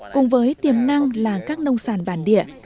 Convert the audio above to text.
cùng với tiềm năng là các nông sản bản địa